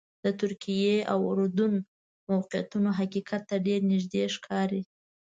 د ترکیې او اردن موقعیتونه حقیقت ته ډېر نږدې ښکاري.